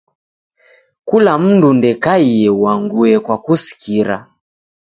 Kula mundu ndekaie uangue kwa kusikira.